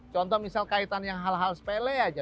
contoh misal kaitan yang hal hal sepele aja